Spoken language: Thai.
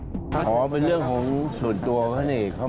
ผู้ใหญ่นี่หมายถึงพรรณหรือเปล่า